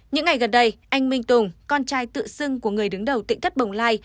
những ngày gần đây anh minh tùng con trai tự xưng của người đứng đầu tỉnh thất bồng lai